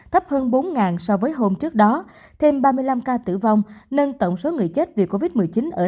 thấp hơn bốn so với hôm trước đó thêm ba mươi năm ca tử vong nâng tổng số người chết vì covid một mươi chín ở